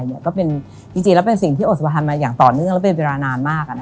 จริงแล้วเป็นสิ่งที่อดสะพานมาอย่างต่อเนื่องและเป็นเวลานานมาก